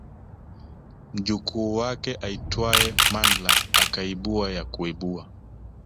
Mjukuu wake aitwaye Mandla akaibua ya kuibua